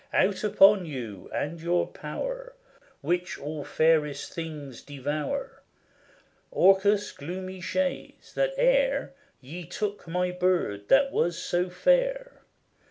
Out upon you, and your power, Which all fairest things devour, Orcus' gloomy shades, that e'er Ye took my bird that was so fair!